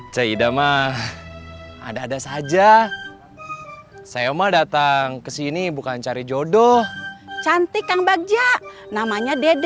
cedema ada ada saja saya mah datang kesini bukan cari jodoh cantik serang bagjak namanya és